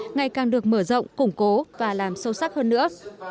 ngày càng được mở rộng củng cố và làm sâu sắc hơn nữa